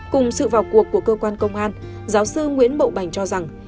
cùng sự vào cuộc của cơ quan công an giáo sư nguyễn bậu bành cho rằng